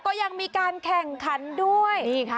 ก็ยังมีการแข่งขันด้วย